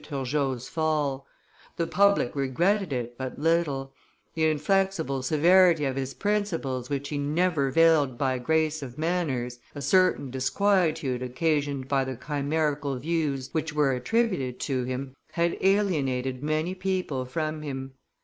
Turgot's fall; the public regretted it but little: the inflexible severity of his principles which he never veiled by grace of manners, a certain disquietude occasioned by the chimerical views which were attributed to him, had alienated many people from him.